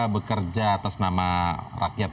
bekerja atas nama rakyat